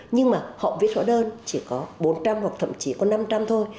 nhưng mà họ viết rõ đơn chỉ có bốn trăm linh hoặc thậm chí có năm trăm linh thôi